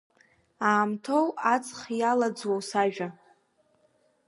Аамҭоу аҵх иалаӡуоу сажәа?